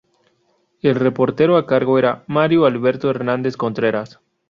El reportero a cargo era Mario Alberto Hernández Contreras.